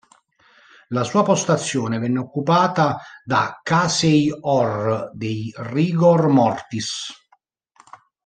La sua postazione venne occupata da Casey Orr dei Rigor Mortis.